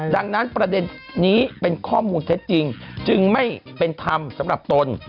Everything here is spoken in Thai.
ดังนั้นประเด็นนี้เป็นข้อมูลเท็จจริงจึงไม่เป็นธรรมสำหรับตน